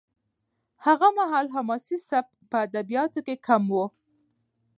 هغه مهال حماسي سبک په ادبیاتو کې کم و.